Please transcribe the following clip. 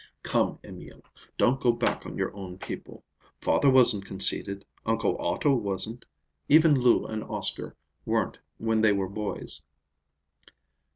"Come, Emil, don't go back on your own people. Father wasn't conceited, Uncle Otto wasn't. Even Lou and Oscar weren't when they were boys."